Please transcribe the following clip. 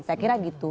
saya kira gitu